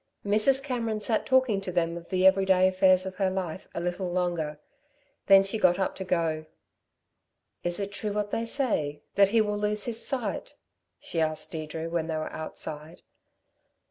Mrs. Cameron sat talking to them of the every day affairs of her life, a little longer. Then she got up to go. "Is it true what they say that he will lose his sight?" she asked Deirdre when they were outside.